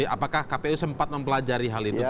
apakah kpu sempat mempelajari hal itu